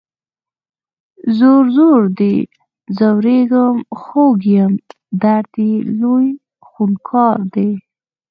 ځور، ځور دی ځوریږم خوږ یم درد یې لوی خونکار دی